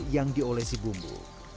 yang diolesi bumbu